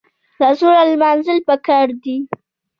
لاسونه لمانځل پکار دي